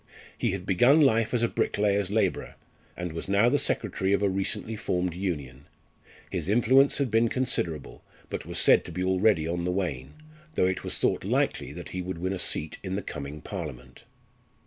He had begun life as a bricklayer's labourer, and was now the secretary of a recently formed Union. His influence had been considerable, but was said to be already on the wane; though it was thought likely that he would win a seat in the coming Parliament.